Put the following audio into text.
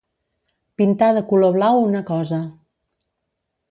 Pintar de color blau una cosa.